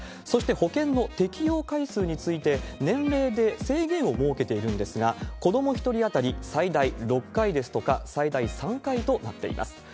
そして保険の適用回数について、年齢で制限を設けているんですが、子ども１人当たり最大６回ですとか、最大３回となっています。